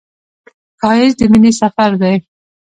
ښایست د مینې سفر دی